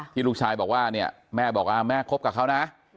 ลูกชายบอกว่าเนี่ยแม่บอกว่าแม่คบกับเขานะ